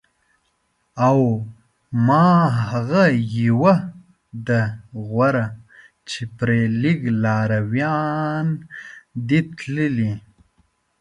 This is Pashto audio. او ما هغه یوه ده غوره چې پرې لږ لارویان دي تللي